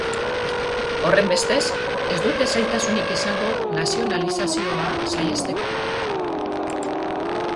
Horrenbestez, ez dute zailtasunik izango nazionalizazioa saihesteko.